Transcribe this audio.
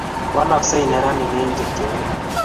Walaksei neranik eng chepchepindo